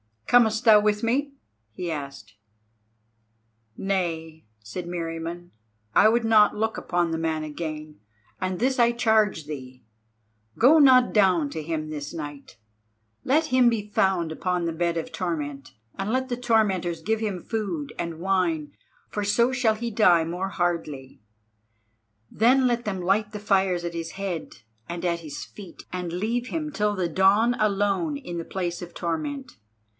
"Comest thou with me?" he asked. "Nay," said Meriamun, "I would not look upon the man again; and this I charge thee. Go not down to him this night. Let him be found upon the bed of torment, and let the tormentors give him food and wine, for so he shall die more hardly. Then let them light the fires at his head and at his feet and leave him till the dawn alone in the place of torment.